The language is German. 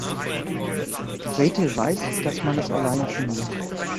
Gretel weiß, dass man das allein tun muss.